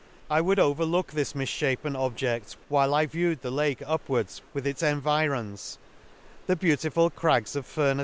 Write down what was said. I would overlook this misfhapen pbje& t whilft I viewed the Lake upwards, with its environs }— the beautiful crags of Fur nels the Lakes.